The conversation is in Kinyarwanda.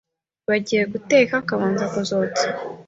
bagiye guteka akabanza kuzotsa